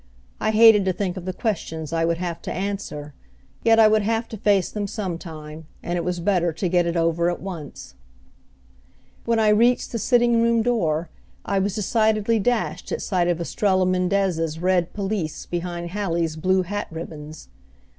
I hated to think of the questions I would have to answer; yet I would have to face them sometime, and it was better to get it over at once. When I reached the sitting room door I was decidedly dashed at sight of Estrella Mendez's red pelisse behind Hallie's blue hat ribbons.